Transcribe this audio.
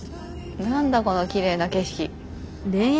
何だこのキレイな景色！